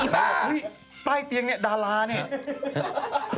ใบ้ป้ายเตียงดาราเนี่ย